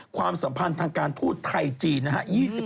ความสัมพันธ์ทางการทูตไทยจีนนะฮะ